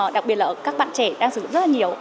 đặc biệt là ở các bạn trẻ đang sử dụng rất là nhiều